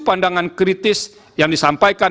pandangan kritis yang disampaikan